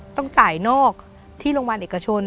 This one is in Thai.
ต้องจ่ายนอกที่โรงพยาบาลเอกชน